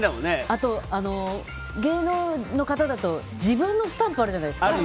芸能の方だと自分のスタンプあるじゃないですか。